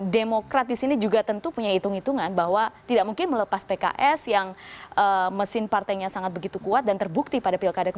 demokrat di sini juga tentu punya hitung hitungan bahwa tidak mungkin melepas pks yang mesin partainya sangat begitu kuat dan terbuka